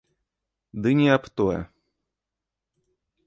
Ды не аб тое.